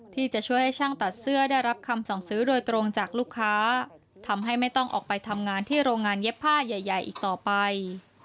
ที่จะช่วยให้ช่างตัดเสื้อได้รับคำสั่งซื้อโดยตรงจากลูกค้าทำให้ไม่ต้องออกไปทำงานที่โรงงานเย็บผ้าใหญ่อีกต่อไป